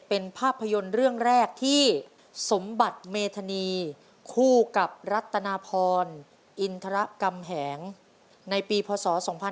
เป็นภาพยนตร์เรื่องแรกที่สมบัติเมธานีคู่กับรัตนาพรอินทรกำแหงในปีพศ๒๕๖๒